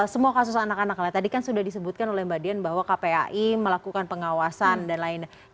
semua kasus anak anak tadi kan sudah disebutkan oleh mbak dian bahwa kpai melakukan pengawasan dan lain lain